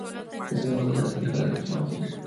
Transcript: Es además la capital de dicho municipio.